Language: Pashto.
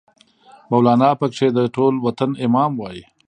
مولانا پکې د ټول وطن امام وای